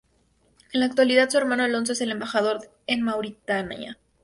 En la actualidad, su hermano Alonso es el embajador en Mauritania.